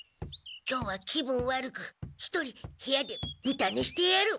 今日は気分悪く１人部屋でブタ寝してやる！